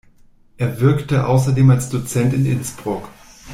Er wirkte außerdem als Dozent in Innsbruck.